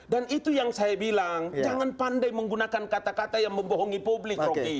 dan itu yang saya bilang jangan pandai menggunakan kata kata yang membohongi publik rocky